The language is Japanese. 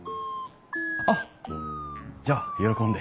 あっじゃあ喜んで。